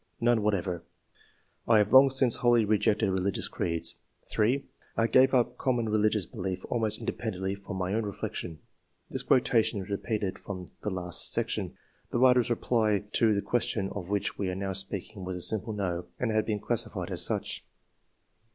None whatever ; I have long since wholly rejected religious creeds." 3. " I gave up com mon religious belief almost independently from 'T own reflection." [This quotation is repeated II.] QUALITIES. 139 from the last section. The writer's reply to the question of which we are now speaking was a simple " no/' and has been classified as such.